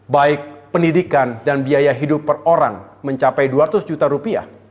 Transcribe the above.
baik pendidikan dan biaya hidup per orang mencapai rp dua ratus